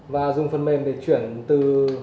và dùng phần mềm để chuyển từ